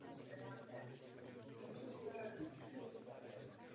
Jako lékař zdůrazňuji především ty s dopadem na zdraví lidí.